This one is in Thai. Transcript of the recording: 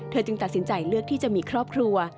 จึงตัดสินใจเลือกที่จะมีครอบครัว